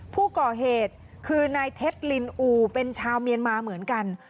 ผู้ก่อเหตุคือนายเท็จลินอูเป็นชาวเมียนมาเหมือนกัน